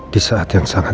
demi yang ninggal